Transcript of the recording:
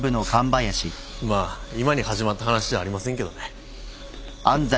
まあ今に始まった話じゃありませんけどね。